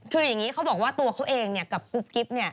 คืออย่างนี้เขาบอกว่าตัวเขาเองกับกุ๊บกิ๊บ